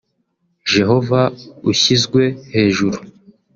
Jehovah ushyizwe hejuru’